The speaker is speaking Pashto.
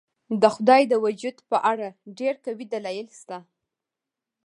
د خدای د وجود په اړه ډېر قوي دلایل شته.